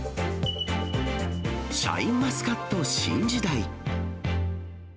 シャインマスカット新時代。